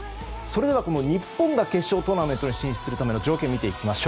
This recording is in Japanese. それでは日本が決勝トーナメントに進出するための条件を見ていきます。